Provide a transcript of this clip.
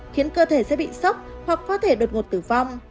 khiến cơ thể sẽ bị sốc hoặc có thể đột ngột tử vong